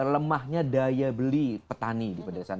lemahnya daya beli petani di pedesaan